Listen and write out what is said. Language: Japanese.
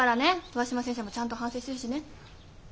上嶋先生もちゃんと反省してるしね。ね？